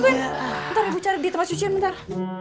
bentar ibu cari di tempat cucian bentar